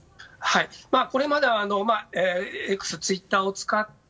これまでＸ、ツイッターを使って